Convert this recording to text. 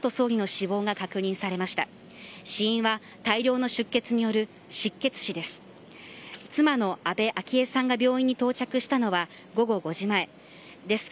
死因は大量の出血による失血死です。